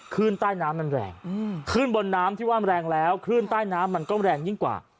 ขึ้นใต้น้ำมันแรงขึ้นบนน้ำที่ว่ามันแรงแล้วคลื่นใต้น้ำมันก็แรงยิ่งกว่า